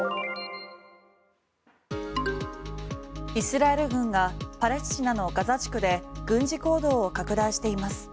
イスラエル軍がパレスチナのガザ地区で軍事行動を拡大しています。